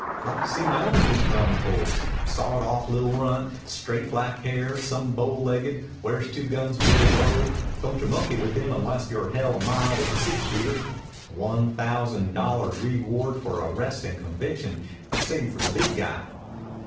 "Like to see my own picture on the poles. Sawed off li'l runt. Straight black hair. Some bowlegged. Wears two guns real low. Doncha monkey with him onless you're hell a mile with a six shooter. One thousand dollars reward for arrest and conviction. Same for the big guy."